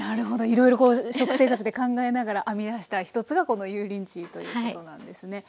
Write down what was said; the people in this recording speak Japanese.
いろいろ食生活で考えながら編み出した一つがこの油淋鶏ということなんですね。